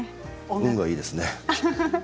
運がいいですね。